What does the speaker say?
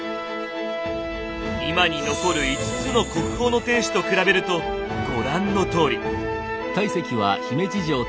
今に残る５つの国宝の天守と比べるとご覧のとおり。